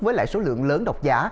với lại số lượng lớn đọc giả